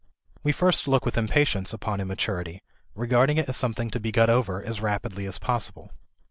We first look with impatience upon immaturity, regarding it as something to be got over as rapidly as possible.